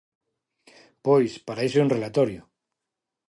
Pois, para iso un relatorio.